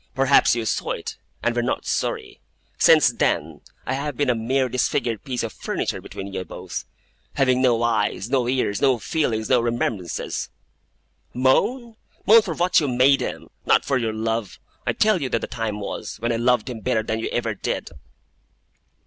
Perhaps you saw it, and were not sorry. Since then, I have been a mere disfigured piece of furniture between you both; having no eyes, no ears, no feelings, no remembrances. Moan? Moan for what you made him; not for your love. I tell you that the time was, when I loved him better than you ever did!